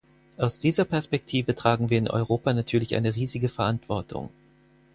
Aus dieser Perspektive tragen wir in Europa natürlich eine riesige Verantwortung.